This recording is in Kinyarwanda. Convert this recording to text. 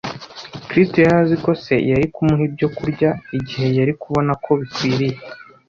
Kristo yari azi ko Se yari kumuha ibyo kurya igihe yari kubona ko bikwiriye.